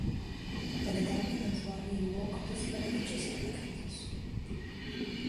Тогда мы назвали его катастрофическим кризисом.